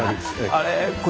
あれ？